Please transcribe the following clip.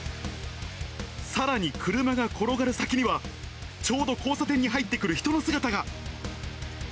さらに、車が転がる先には、ちょうど交差点に入ってくる人の姿が。